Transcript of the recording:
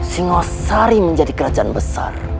singosari menjadi kerajaan besar